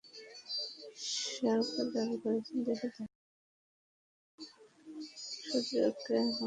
সরকার দাবি করছে, দেশে দারিদ্র্য কমেছে, সামাজিক সূচকে বাংলাদেশের অগ্রযাত্রা অব্যাহত আছে।